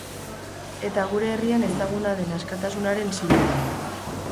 Eta gure herrian ezaguna den askatasunaren sinbolo.